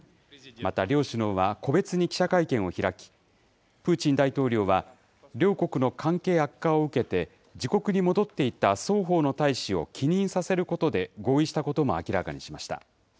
また両首脳は個別に記者会見を開き、プーチン大統領は、両国の関係悪化を受けて、自国に戻っていた双方の大使を帰任させることで合意したことも明らかにしました。